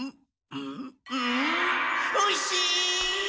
んおいしい！